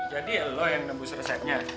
jadi ya lo yang nebus resepnya